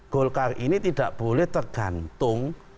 golkar ini tidak boleh tergantung